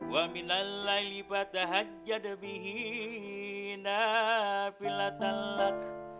wa minal lailifatahajjad bihinna filatallak